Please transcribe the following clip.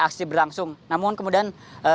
aksi berlangsung namun kemudian